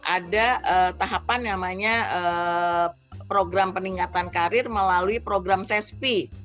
ada tahapan yang namanya program peningkatan karir melalui program sespi